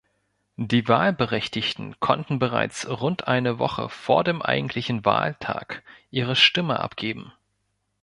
Die Wahlberechtigten konnten bereits rund eine Woche vor dem eigentlichen Wahltag ihre Stimme abgeben.